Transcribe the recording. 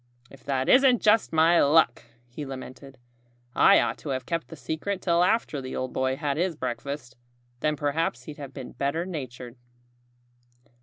"If that isn't just my luck!" he lamented. "I ought to have kept the secret till after the old boy had his breakfast. Then perhaps he'd have been better natured."